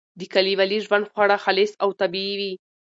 د کلیوالي ژوند خواړه خالص او طبیعي وي.